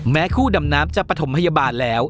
คู่ดำน้ำจะปฐมพยาบาลแล้ว